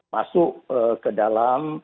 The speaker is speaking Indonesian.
masuk ke dalam